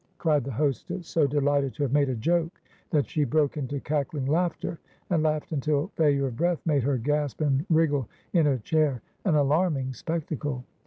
cried the hostess, so delighted to have made a joke that she broke into cackling laughter, and laughed until failure of breath made her gasp and wriggle in her chair, an alarming spectacle.